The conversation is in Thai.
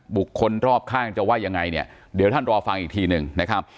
บุคคลรอบข้างจะว่ายังไงเนี่ยเดี๋ยวท่านรอฟังอีกทีหนึ่งนะครับ